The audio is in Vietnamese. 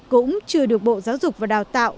cũng chưa được bộ giáo dục và đào tạo